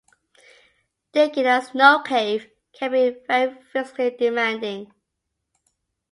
Digging a snow cave can be very physically demanding.